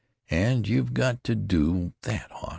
And you've got to do that, Hawk.